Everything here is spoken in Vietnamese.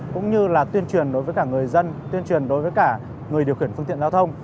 cũng như là tuyên truyền đối với cả người dân tuyên truyền đối với cả người điều khiển phương tiện giao thông